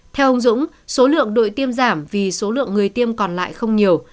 theo ông dũng số lượng đội tiêm giảm vì số lượng người tiêm còn lại không nhiều